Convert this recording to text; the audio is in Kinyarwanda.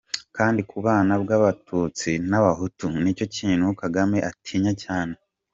Kandi kubana kw’abatutsi n’abahutu, nicyo kintu Kagame atinya cyane.